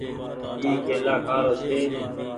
اي ڪيلآ کآ رو ڇي۔